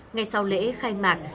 ngày sau lễ khai mạc